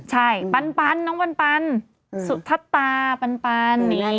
ใช่ปันปันน้องปันปันอือสุทัยปันปัน